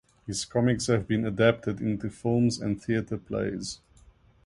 His comics have been adapted into films and theatre plays.